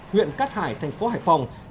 huyện cát hải thành phố hải phòng